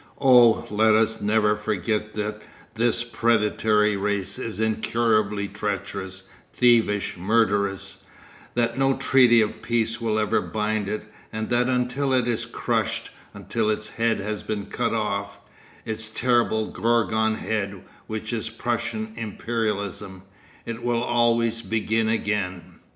Oh, let us never forget that this predatory race is incurably treacherous, thievish, murderous; that no treaty of peace will ever bind it, and that until it is crushed, until its head has been cut off its terrible Gorgon head which is Prussian Imperialism it will always begin again.